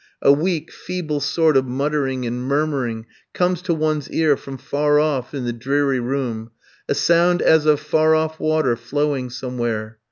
A weak, feeble sort of muttering and murmuring comes to one's ear from far off in the dreary room, a sound as of far off water flowing somewhere....